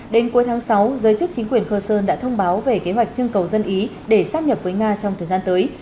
đến cuối tháng sáu giới chức chính quyền khơ sơn đã thông báo về kế hoạch trưng cầu dân ý để xác nhập với nga trong thời gian tới